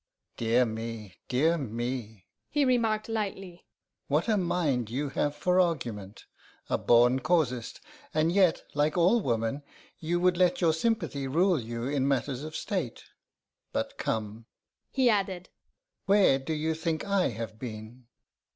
'Dear me, dear me,' he remarked lightly, 'what a mind you have for argument! a born casuist; and yet, like all women, you would let your sympathy rule you in matters of state. But come,' he added, 'where do you think I have been?